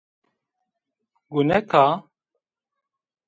Gunek a!